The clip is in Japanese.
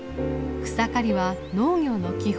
草刈りは農業の基本。